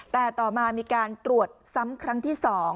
แต่ต่อมามีการตรวจซ้ำครั้งที่๒